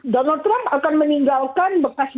donald trump akan meninggalkan bekas